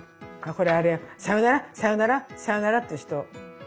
これあれよさよならさよならさよならって言う人。